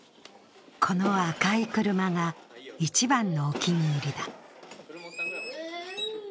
この赤い車が一番のお気に入りだ。